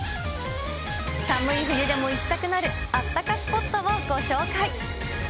寒い冬でも行きたくなるあったかスポットをご紹介。